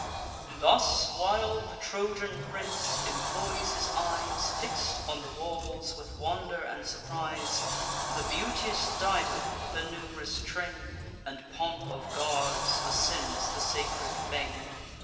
Thus while the Trojan prince employs his eyes, Fix'd on the walls with wonder and surprise, The beauteous Dido, with a num'rous train And pomp of guards, ascends the sacred fane.